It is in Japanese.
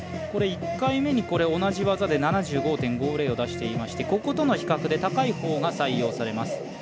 １回目に同じ技で７５．７０を出していましてこことの比較で高いほうが採用されます。